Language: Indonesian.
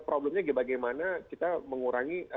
problemnya bagaimana kita mengurangi